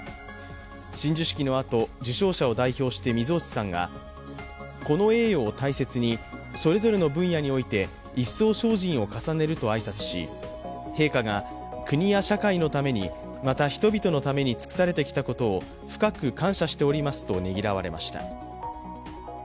親授式のあと、受章者を代表して水落さんがこの栄誉を大切に、それぞれの分野において一層精進を重ねると挨拶し、陛下が、国や社会のために、また、人々のために尽くされてきたことを深く感謝しておりますとねぎらわれました。